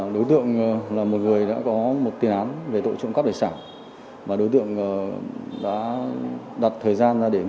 do đường dây của tuấn anh tổ chức lên tới gần hai tỷ đồng